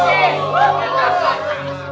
iya pak rt